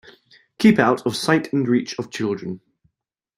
Keep out of sight and reach of children.